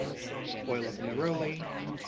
Oil of neroli 2¼oz.